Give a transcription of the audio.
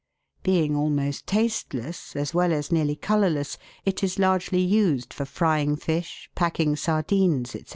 Being almost tasteless, as well as nearly colourless, it is largely used for frying fish, packing sardines, &c.